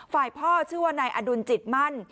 ฝ่ายพ่อชื่อว่านายอดุลจิตมั่น